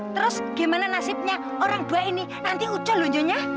terus gimana nasibnya orang dua ini nanti ucol lonjonya